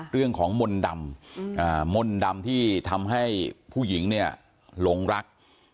เรื่องของมนดำมนดำที่ทำให้ผู้หญิงลงรัก